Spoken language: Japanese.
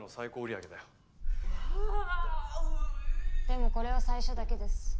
でもこれは最初だけです。